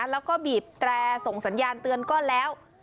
แล้วก็บีบแตรส่งสัญญาณเตือนก็แล้ว